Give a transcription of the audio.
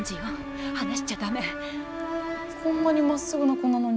こんなにまっすぐな子なのに。